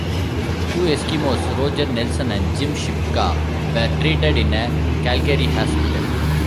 Two Eskimos, Roger Nelson and Jim Shipka, were treated in a Calgary hospital.